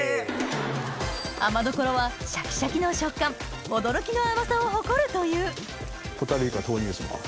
アマドコロはシャキシャキの食感驚きの甘さを誇るというホタルイカ投入します。